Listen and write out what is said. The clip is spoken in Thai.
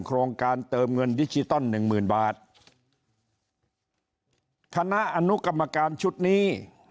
โครงการเติมเงินดิจิตอลหนึ่งหมื่นบาทคณะอนุกรรมการชุดนี้